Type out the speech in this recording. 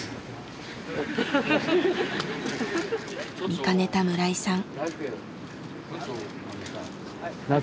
見かねた村井さん。